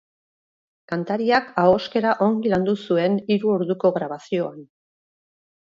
Kantariak ahoskera ongi landu zuen hiru orduko grabazioan.